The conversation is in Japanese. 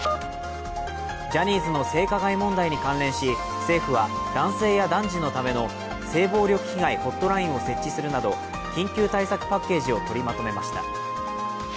ジャニーズの性加害問題に関連し政府は男性や男児のための性暴力被害ホットラインを設置するなど緊急対策パッケージを取りまとめました。